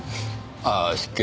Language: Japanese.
ああ失敬。